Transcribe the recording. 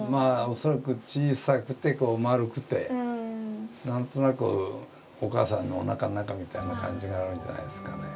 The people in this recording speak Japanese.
恐らく小さくて丸くて何となくお母さんのおなかの中みたいな感じがあるんじゃないですかね。